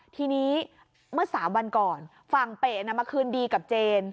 ทีนี้เมื่อ๓วันก่อนฝั่งเปะมาคืนดีกับเจน